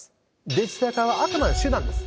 デジタル化はあくまで手段です。